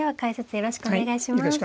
よろしくお願いします。